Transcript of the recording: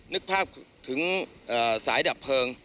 นึกภาพถึงสายดับเพลิง